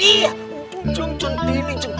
iya jeng cantik